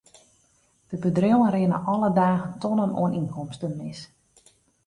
De bedriuwen rinne alle dagen tonnen oan ynkomsten mis.